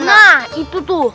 nah itu tuh